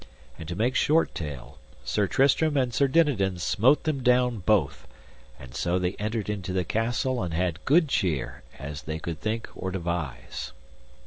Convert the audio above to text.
And to make short tale, Sir Tristram and Sir Dinadan smote them down both, and so they entered into the castle and had good cheer as they could think or devise.